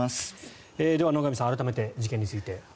では、野上さん改めて事件について。